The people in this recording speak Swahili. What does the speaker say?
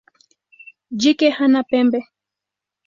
Jike hana pembe.